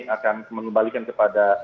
akan mengembalikan kepada